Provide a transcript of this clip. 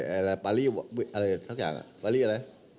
อะไรปารีอะไรสักอย่างปารีอะไร